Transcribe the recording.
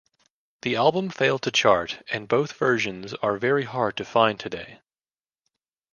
The album failed to chart, and both versions are very hard to find today.